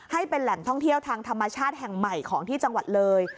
ให้เป็นแหล่งท่องเที่ยวทางธรรมชาติแห่งใหม่ของที่จังหวัดเลย